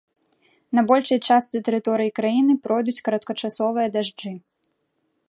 На большай частцы тэрыторыі краіны пройдуць кароткачасовыя дажджы.